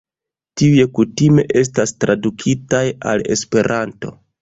Tiuj kutime estas tradukitaj al Esperanto.